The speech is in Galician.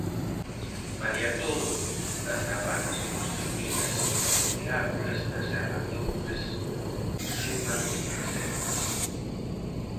Malia todo, as cabanas construídas sobre árbores na Serra de Outes suman reservas.